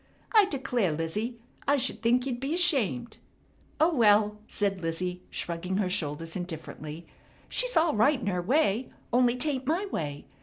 I declare, Lizzie, I should think you'd be ashamed!" "Oh, well," said Lizzie shrugging her shoulders indifferently, "She's all right in her way, only 'taint my way.